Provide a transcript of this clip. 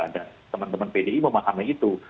dan teman teman pdi memahami itu